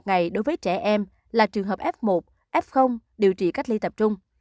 và ba mươi một ngày đối với trẻ em là trường hợp f một f điều trị cách ly tập trung